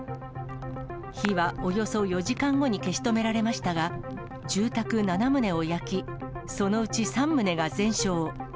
火はおよそ４時間後に消し止められましたが、住宅７棟を焼き、そのうち３棟が全焼。